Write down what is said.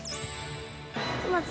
まず。